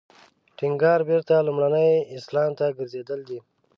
ټینګار بېرته لومړني اسلام ته ګرځېدل دی.